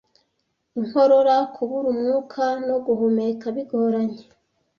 inkorora, kubura umwuka no guhumeka bigoranye